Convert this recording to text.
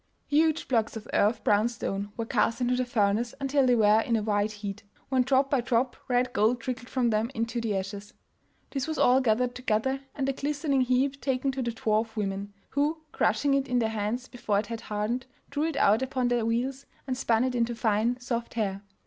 Huge blocks of earth brown stone were cast into the furnace until they were in a white heat, when drop by drop red gold trickled from them into the ashes. This was all gathered together, and the glistening heap taken to the dwarf women, who, crushing it in their hands before it had hardened, drew it out upon their wheels, and spun it into fine soft hair.